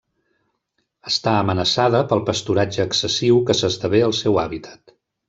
Està amenaçada pel pasturatge excessiu que s'esdevé al seu hàbitat.